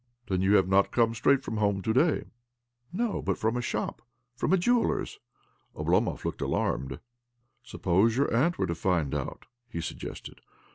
" Then you have not come straight from home to day? "" No, but from a shop, from a jeweller's." Oblomov looked alarmed. " Suppose your aunt were to find out? " he suggested.